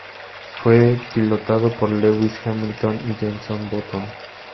Fue pilotado por Lewis Hamilton y Jenson Button.